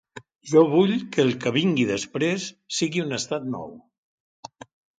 Jo vull que el que vingui després sigui un estat nou.